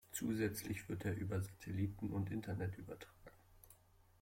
Zusätzlich wird er über Satelliten und Internet übertragen.